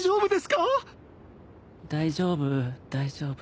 大丈夫大丈夫。